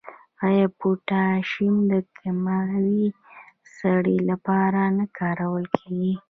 آیا پوټاش د کیمیاوي سرې لپاره نه کارول کیږي؟